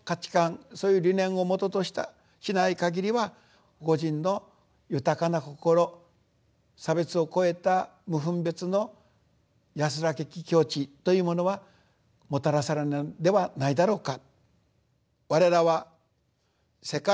そういう理念をもととしたしない限りは個人の豊かな心差別を超えた無分別の安らけき境地というものはもたらされないではないだろうか。